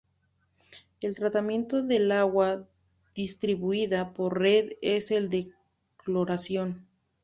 El tratamiento del agua distribuida por red es el de cloración.